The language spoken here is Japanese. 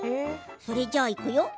それじゃあいくよ。